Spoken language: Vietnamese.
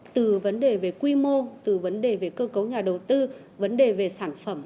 từ vấn đề về quy mô từ vấn đề về cơ cấu nhà đầu tư vấn đề về sản phẩm